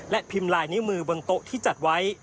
และพิมพ์ลายนิ้วมือบนโต๊ะที่จัดไว้